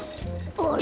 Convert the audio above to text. あれ？